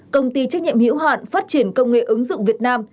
công ty trách nhiệm hiểu hạn phát triển công nghệ ứng dụng việt nam